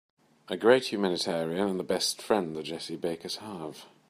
A great humanitarian and the best friend the Jessie Bakers have.